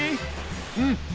うん。